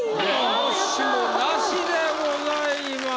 直しもなしでございます。